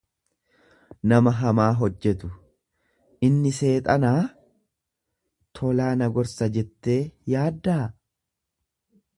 nama hamaa hojjetu; Inni seexanaa, tolaa na gorsa jettee yaaddaa?